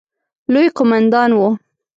لوی قوماندان وو.